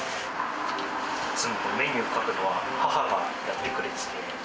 いつもメニューを書くのは、母がやってくれてて。